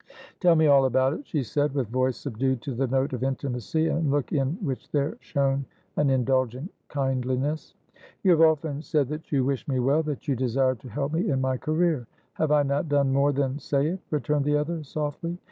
"Tell me all about it," she said, with voice subdued to the note of intimacy, and look in which there shone an indulgent kindliness. "You have often said that you wished me well, that you desired to help me in my career." "Have I not done more than say it?" returned the other, softly.